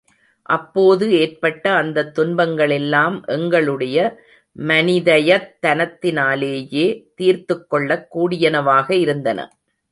அப்போது ஏற்பட்ட அந்தத் துன்பங்களெல்லாம் எங்களுடைய மனிதயத்தனத்தினாலேயே தீர்த்துக் கொள்ளக் கூடியனவாக இருந்தன.